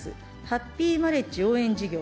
ハッピーマリッジ応援事業。